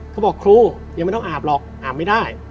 เขาบอกครูยังไม่ต้องอาบหรอกอาบไม่ได้